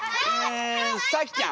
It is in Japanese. んさきちゃん。